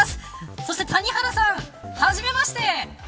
そして谷原さん、はじめまして。